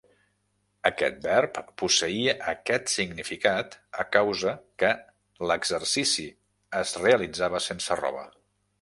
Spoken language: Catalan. Aquest verb posseïa aquest significat a causa que l'exercici es realitzava sense roba.